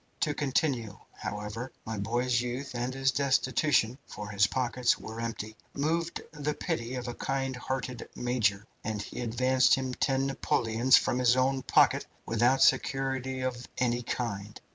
To continue, however, my boy's youth and his destitution for his pockets were empty moved the pity of a kind hearted major, and he advanced him ten Napoleons from his own pocket without security of any kind.